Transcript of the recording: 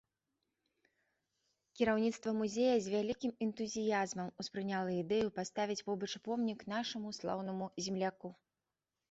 Кіраўніцтва музея з вялікім энтузіязмам успрыняла ідэю паставіць побач помнік нашаму слаўнаму земляку.